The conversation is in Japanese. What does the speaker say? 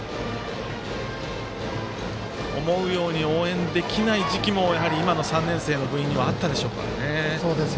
思うように応援できない時期もやはり、今の３年生の部員にはあったでしょうからね。